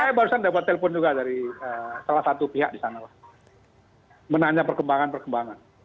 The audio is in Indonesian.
saya barusan dapat telepon juga dari salah satu pihak di sana lah menanya perkembangan perkembangan